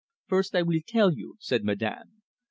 "First, I weel tell you," said Madame.